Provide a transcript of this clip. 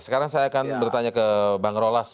sekarang saya akan bertanya ke bang rolas